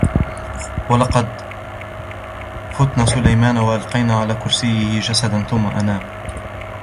ولقد فتنا سليمان وألقينا على كرسيه جسدا ثم أناب